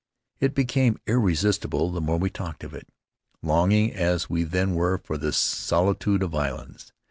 It became irresistible the more we talked of it, longing as we then were for the solitude of islands.